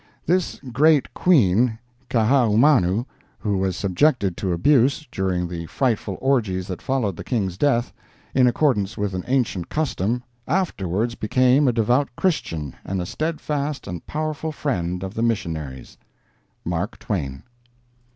This great Queen, Kaahumanu, who was "subjected to abuse" during the frightful orgies that followed the King's death, in accordance with an ancient custom, afterwards became a devout Christian and a steadfast and powerful friend of the missionaries. MARK TWAIN.